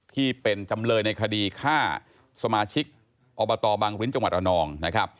ที่เป็นจำเลยในคดีฆ่าสมาชิกอบตบังริ้นจังหวัดอ่อนรอง